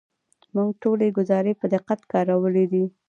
موږ ټولې ګزارې په دقت کارولې دي.